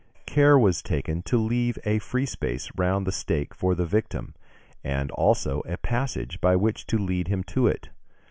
Care was taken to leave a free space round the stake for the victim, and also a passage by which to lead him to it.